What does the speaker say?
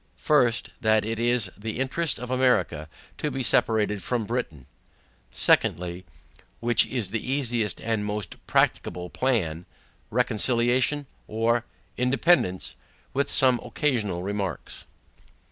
First, That it is the interest of America to be separated from Britain. Secondly, Which is the easiest and most practicable plan, RECONCILIATION or INDEPENDANCE? with some occasional remarks.